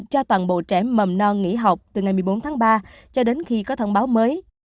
cho toàn bộ trẻ mầm non nghỉ học từ ngày một mươi bốn tháng ba cho đến khi có thông báo mới